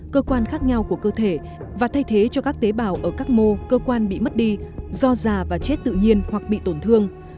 cơ quan khác nhau của cơ thể và thay thế cho các tế bào ở các mô cơ quan bị mất đi do già và chết tự nhiên hoặc bị tổn thương